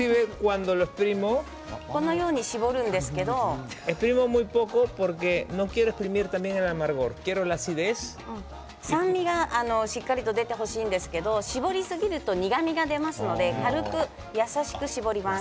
このように搾るんですけれど酸味が、しっかりと出てほしいんですけれど搾りすぎると苦みが出ますので軽く優しく搾ります。